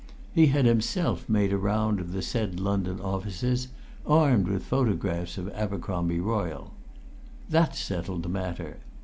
He had himself made a round of the said London offices, armed with photographs of Abercromby Royle. That settled the matter.